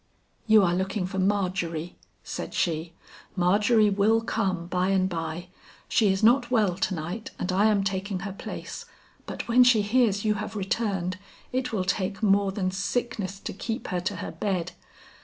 "You are looking for Margery," said she. "Margery will come by and by; she is not well to night and I am taking her place, but when she hears you have returned, it will take more than sickness to keep her to her bed.